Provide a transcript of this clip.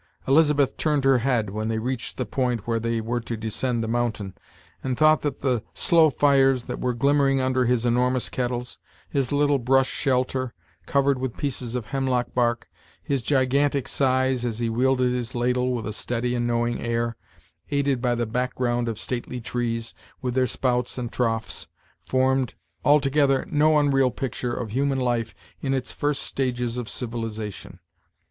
Elizabeth turned her head, when they reached the point where they were to descend the mountain, and thought that the slow fires that were glimmering under his enormous kettles, his little brush shelter, covered with pieces of hemlock bark, his gigantic size, as he wielded his ladle with a steady and knowing air, aided by the back ground of stately trees, with their spouts and troughs, formed, altogether, no unreal picture of human life in its first stages of civilization.